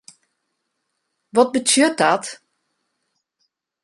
Wat betsjut dat?